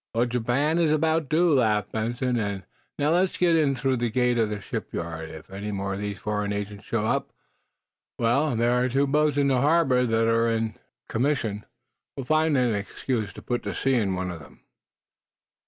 "Well, Japan is about due," laughed Benson. "And now, let's get in through the gate of the shipyard. If any more of these foreign agents show up well, there are two boats in the harbor that are in commission. We'll find an excuse to put to sea in one of them."